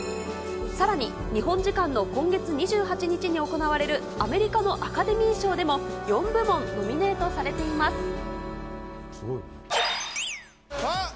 さらに、日本時間の今月２８日に行われるアメリカのアカデミー賞でも、４部門ノミネートされています。